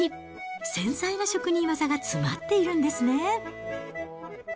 繊細な職人技が詰まっているんですね。